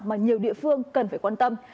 mà nhiều địa phương cần phải quan tâm